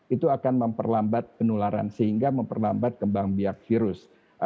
itu akan memperlambat penularan sehingga memperlambat kembang biak virus